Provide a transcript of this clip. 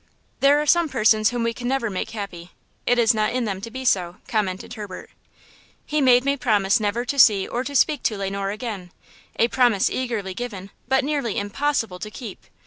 "There are some persons whom we can never make happy. It is not in them to be so," commented Herbert. "He made me promise never to see or to speak to Le Noir again–a promise eagerly given but nearly impossible to keep.